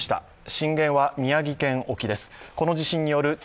震源は宮城県沖です